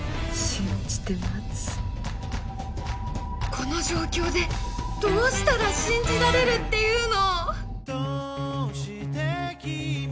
この状況でどうしたら信じられるっていうの！？